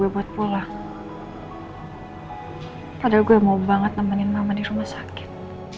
padahal gue mau banget nemenin mama di rumah sakit